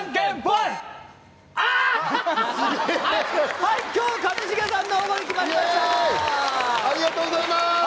イェーイありがとうございます